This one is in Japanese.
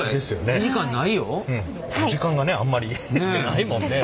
時間がねあんまりないもんね。